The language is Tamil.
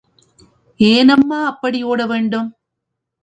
ஏனம்மா அப்படி ஒட வேண்டும்?